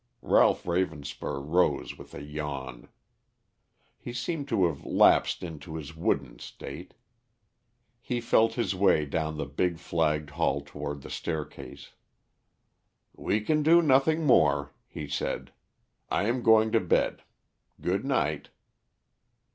Ralph Ravenspur rose with a yawn. He seemed to have lapsed into his wooden state. He felt his way down the big flagged hall toward the staircase. "We can do nothing more," he said. "I am going to bed. Good night."